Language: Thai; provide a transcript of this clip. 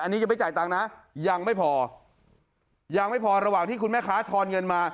อันนี้ยังไม่จ่ายตังค์นะยังไม่พอยังไม่พอระหว่างที่คุณแม่ค้าทอนเงินมา